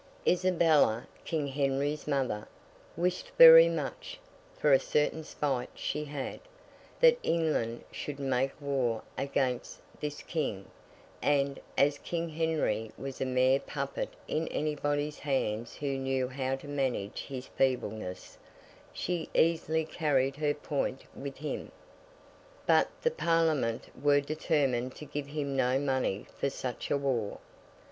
Isabella, King Henry's mother, wished very much (for a certain spite she had) that England should make war against this King; and, as King Henry was a mere puppet in anybody's hands who knew how to manage his feebleness, she easily carried her point with him. But, the Parliament were determined to give him no money for such a war.